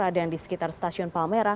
ada yang di sekitar stasiun palmerah